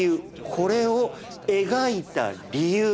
これを描いた理由。